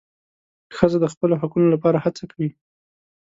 ښځه د خپلو حقونو لپاره هڅه کوي.